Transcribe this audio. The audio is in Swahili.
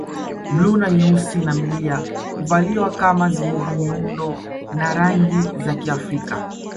Bluu na nyeusi na milia huvaliwa kama zilivyo miundo na rangi za Kiafrika